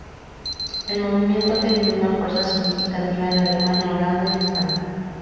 El movimiento ha tenido una fuerza significativa en Alemania, Holanda y España.